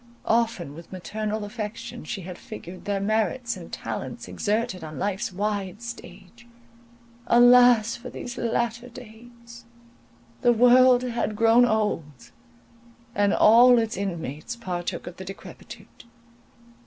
Often with maternal affection she had figured their merits and talents exerted on life's wide stage. Alas for these latter days! The world had grown old, and all its inmates partook of the decrepitude.